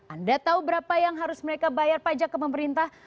anda tahu berapa yang harus mereka bayar pajak ke pemerintah